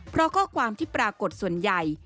เพราะข้อความที่ปรากฏส่วนใหญ่